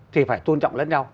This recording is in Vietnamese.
thì phải tôn trọng lẫn nhau